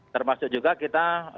termasuk juga kita